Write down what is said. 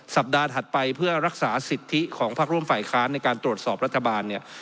สัปดาห์ถัดไปเพื่อรักษาสิทธิของภาคร่วมฝ่ายค้านในการตรวจสอบรัฐบาล